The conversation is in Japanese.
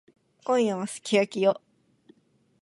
今夜はすき焼きよ。